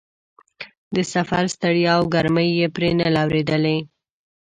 د سفر ستړیا او ګرمۍ یې پرې نه لورېدلې.